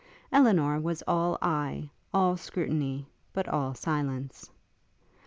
Elinor was all eye, all scrutiny, but all silence.